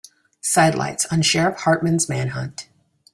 Sidelights on Sheriff Hartman's manhunt.